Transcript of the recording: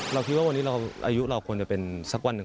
เราคิดว่าวันนี้เราอายุเราควรจะเป็นสักวันหนึ่ง